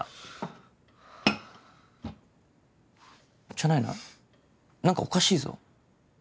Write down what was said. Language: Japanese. じゃないな何かおかしいぞ？